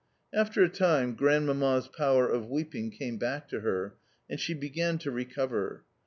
After a time Grandmamma's power of weeping came back to her, and she began to recover.